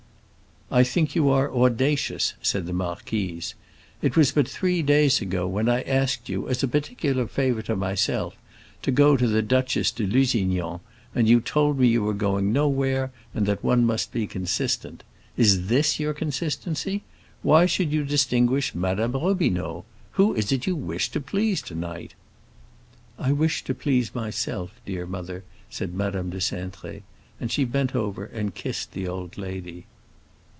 "I think you are audacious," said the marquise. "It was but three days ago, when I asked you, as a particular favor to myself, to go to the Duchess de Lusignan's, that you told me you were going nowhere and that one must be consistent. Is this your consistency? Why should you distinguish Madame Robineau? Who is it you wish to please to night?" "I wish to please myself, dear mother," said Madame de Cintré. And she bent over and kissed the old lady.